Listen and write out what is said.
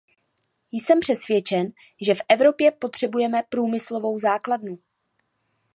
Jsem přesvědčen, že v Evropě potřebujeme průmyslovou základnu.